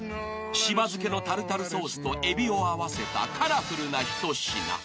［柴漬けのタルタルソースとエビを合わせたカラフルな一品］